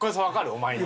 お前に。